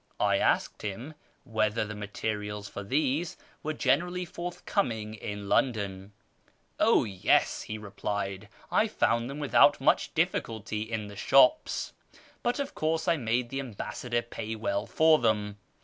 I asked him whether the materials for these were generally forthcoming in London. " Oh yes," he replied, " I found them without much difficulty in the shops, but of course I made the ambassador pay well for them.